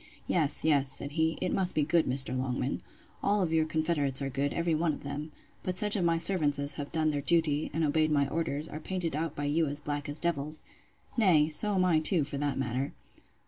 Yes, yes, said he, it must be good Mr. Longman! All your confederates are good, every one of them: but such of my servants as have done their duty, and obeyed my orders, are painted out by you as black as devils! nay, so am I too, for that matter.